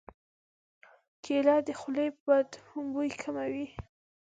کېله د خولې بد بوی کموي.